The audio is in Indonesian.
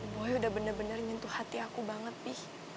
boy udah bener bener nyentuh hati aku banget pi